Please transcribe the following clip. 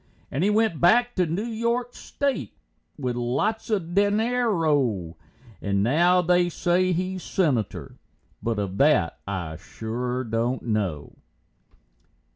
And he went back to Noo York State with lots of dinero, And now they say he's senator, but of that I shore don't know.